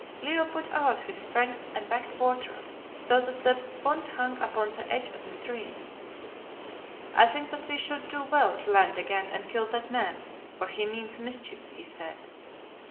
Leo put out his strength and backed water, so that the punt hung upon the edge of the stream. "I think that we should do well to land again and kill that man, for he means mischief," he said.